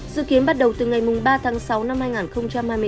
dự kiến bắt đầu từ ngày ba tháng sáu năm hai nghìn hai mươi bốn